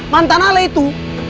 mantan ale itu